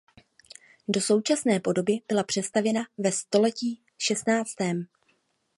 Do současné podoby byla přestavěna ve století šestnáctém.